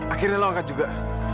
akhirnya lo angkat juga